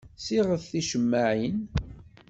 Ssiɣet ticemmaɛin.